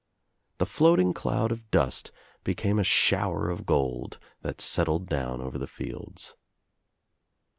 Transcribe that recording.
The floating cloud of dust became a shower of gold that settled down over the fields.